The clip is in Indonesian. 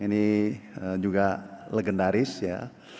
ini juga legendaris ya